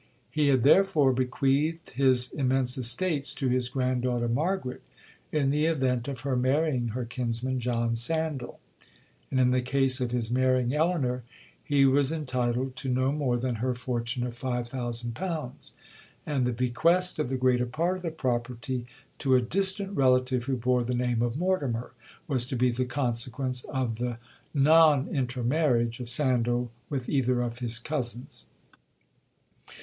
He had therefore bequeathed his immense estates to his grand daughter Margaret, in the event of her marrying her kinsman John Sandal;—in the case of his marrying Elinor, he was entitled to no more than her fortune of £5000;—and the bequest of the greater part of the property to a distant relative who bore the name of Mortimer, was to be the consequence of the non intermarriage of Sandal with either of his cousins.